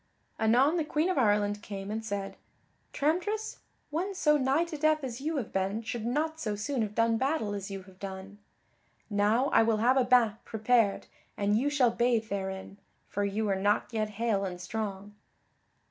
Anon the Queen of Ireland came and said: "Tramtris, one so nigh to death as you have been should not so soon have done battle as you have done. Now I will have a bain prepared and you shall bathe therein, for you are not yet hale and strong."